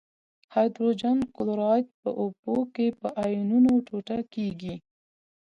هایدروجن کلوراید په اوبو کې په آیونونو ټوټه کیږي.